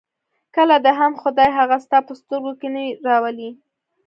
کله دې هم خدای هغه ستا په سترګو کې نه راولي.